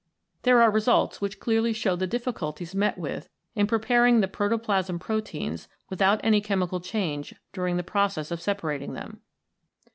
There are results which clearly show the difficulties met with in preparing the protoplasm proteins without any chemical change during the process of separating them.